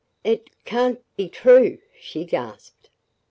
"It can't be true!" she gasped.